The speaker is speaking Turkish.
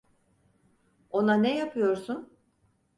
Ona ne yapıyorsun?